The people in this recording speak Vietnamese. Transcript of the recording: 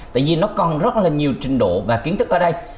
tại vì nó còn rất là nhiều trình độ và kiến thức ở đây